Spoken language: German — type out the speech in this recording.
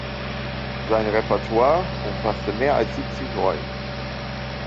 Sein Repertoire umfasste mehr als siebzig Rollen.